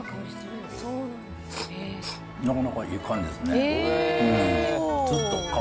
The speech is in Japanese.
なかなかいい感じですね。